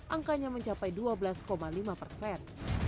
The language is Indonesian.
angkanya mencapai dua belas lima persen